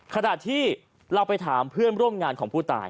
ขณะที่เราไปถามเพื่อนร่วมงานของผู้ตาย